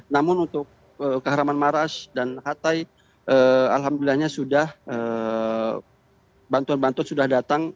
namun untuk kahraman maras dan hatay alhamdulillahnya sudah bantuan bantuan sudah datang